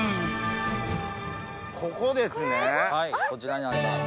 こちらになります。